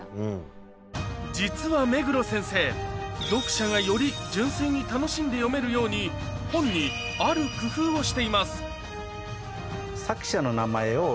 実は目黒先生読者がより純粋に楽しんで読めるように本にある工夫をしています